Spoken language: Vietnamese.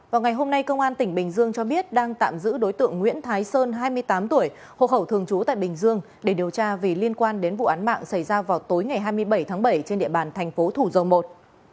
vào ngày hôm nay công an tỉnh bình dương cho biết đang tạm giữ đối tượng nguyễn thái sơn hai mươi tám tuổi hộ khẩu thường trú tại bình dương để điều tra vì liên quan đến vụ án mạng xảy ra vào tối ngày hai mươi bảy tháng bảy trên địa bàn thành phố thủ dầu i